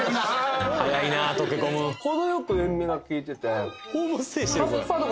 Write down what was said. ほどよく塩味が利いててホームステイしてる？